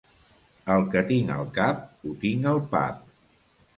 El que tinc al cap, ho tinc al pap.